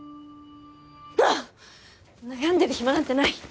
ああっ悩んでる暇なんてない！